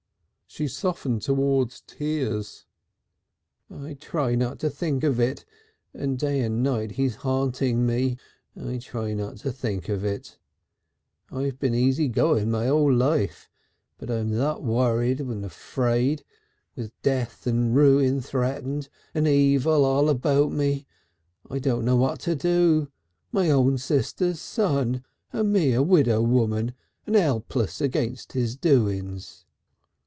She softened towards tears. "I try not to think of it, and night and day he's haunting me. I try not to think of it. I've been for easy going all my life. But I'm that worried and afraid, with death and ruin threatened and evil all about me! I don't know what to do! My own sister's son, and me a widow woman and 'elpless against his doin's!"